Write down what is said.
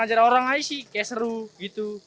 gak ada orang aja sih kayak seru gitu